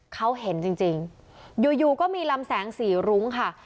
เขาเห็นจริงอยู่ก็มีลำแสงสีรุ้งค่ะ